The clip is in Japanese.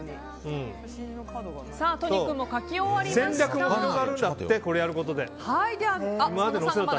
都仁君も書き終わりました。